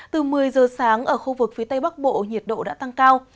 từ một mươi giờ sáng ở khu vực phía tây bắc bộ nhiệt độ đã tăng cao